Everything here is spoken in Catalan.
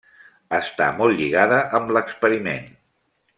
Està molt lligada amb l'experiment.